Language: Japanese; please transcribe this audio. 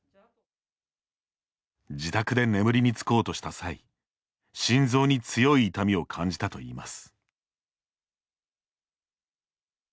自宅で眠りにつこうとした際心臓に強い痛みを感じたといいます。